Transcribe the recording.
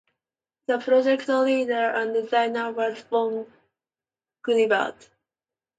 The project leader and designer was Ron Gilbert.